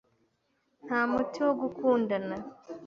Nta muti wo gukundana.